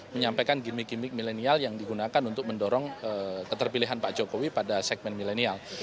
menyampaikan gimmick gimmick milenial yang digunakan untuk mendorong keterpilihan pak jokowi pada segmen milenial